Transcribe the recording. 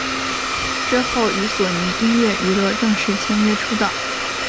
之后与索尼音乐娱乐正式签约出道。